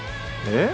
え？